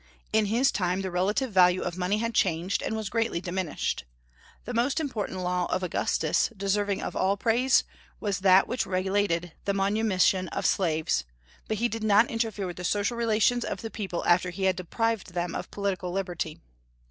In his time the relative value of money had changed, and was greatly diminished. The most important law of Augustus, deserving of all praise, was that which related to the manumission of slaves; but he did not interfere with the social relations of the people after he had deprived them of political liberty.